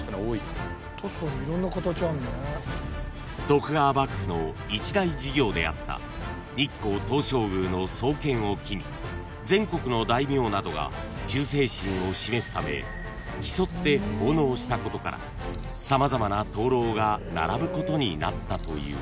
［徳川幕府の一大事業であった日光東照宮の創建を機に全国の大名などが忠誠心を示すため競って奉納したことから様々な灯籠が並ぶことになったという］